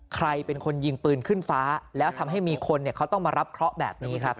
ใครเป็นคนยิงปืนขึ้นฟ้าแล้วทำให้มีคนเขาต้องมารับเคราะห์แบบนี้ครับ